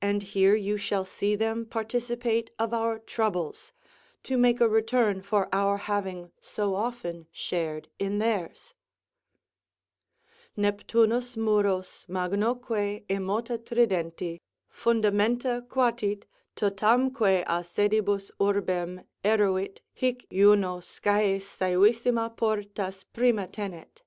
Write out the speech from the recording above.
And here you shall see them participate of our troubles, to make a return for our having so often shared in theirs: Neptunus muros, magnoque emota tridenti Fundamenta quatit, totamque à sedibus urbem Emit: hie Juno Scæas sævissima portas Prima tenet.